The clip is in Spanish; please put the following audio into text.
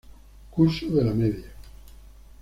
Curso de la Media.